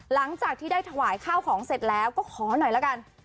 หลังจากที่ได้ถวายข้าวของเสร็จแล้วก็ขอหน่อยละกัน